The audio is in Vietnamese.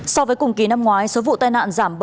so với cùng kỳ năm ngoái số vụ tai nạn giảm bảy